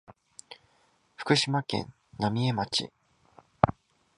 福島県浪江町